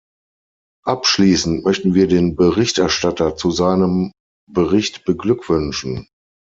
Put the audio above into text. Abschließend möchten wir den Berichterstatter zu seinem Bericht beglückwünschen.